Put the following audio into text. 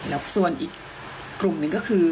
แล้วส่วนอีกกลุ่มหนึ่งก็คือ